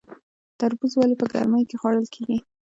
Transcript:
تربوز ولې په ګرمۍ کې خوړل کیږي؟